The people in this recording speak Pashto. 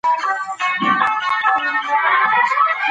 په امريکا کې رانجه د هويت نښه ده.